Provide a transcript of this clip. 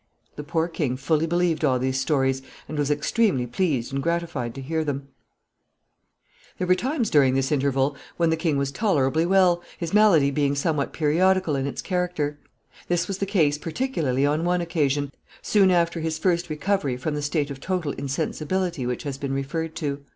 The poor king fully believed all these stories, and was extremely pleased and gratified to hear them. [Sidenote: Intervals of good health.] There were times during this interval when the king was tolerably well, his malady being somewhat periodical in its character. This was the case particularly on one occasion, soon after his first recovery from the state of total insensibility which has been referred to.